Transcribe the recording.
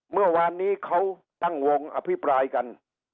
เมื่อวานนี้เขาตั้งวงอภิปรายกัน